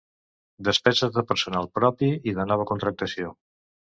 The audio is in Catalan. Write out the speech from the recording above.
Despeses de personal propi i de nova contractació.